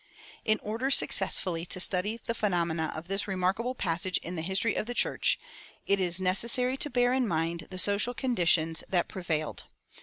"[238:1] In order successfully to study the phenomena of this remarkable passage in the history of the church, it is necessary to bear in mind the social conditions that prevailed.